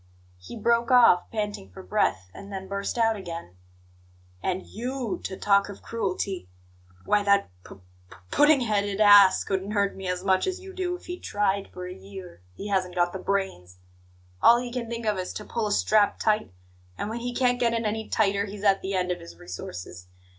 He broke off, panting for breath, and then burst out again: "And YOU to talk of cruelty! Why, that p p pudding headed ass couldn't hurt me as much as you do if he tried for a year; he hasn't got the brains. All he can think of is to pull a strap tight, and when he can't get it any tighter he's at the end of his resources.